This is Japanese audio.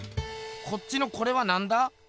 こっちのこれはなんだ？